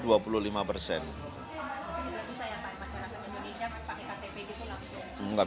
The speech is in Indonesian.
pada kemudian indonesia memakai ktpd itu langsung